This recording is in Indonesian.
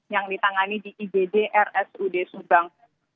yang ditangani di igd rsud subang